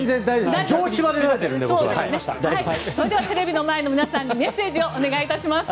それではテレビの前の皆さんにメッセージをお願いします。